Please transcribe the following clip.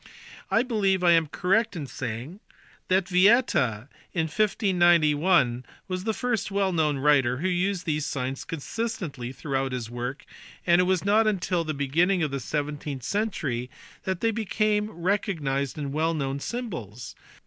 I believe I am correct in saying that Vieta in 1591 was the first well known writer who used these signs consist ently throughout his work, and it was not until the beginning of the seventeenth century that they became recognized and well known symbols.